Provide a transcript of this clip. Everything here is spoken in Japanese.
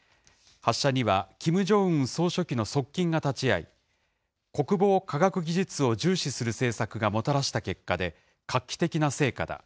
発射にはキム・ジョンウン総書記の側近が立ち会い、国防科学技術を重視する政策がもたらした結果で、画期的な成果だ。